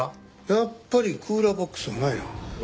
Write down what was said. やっぱりクーラーボックスがないなあ。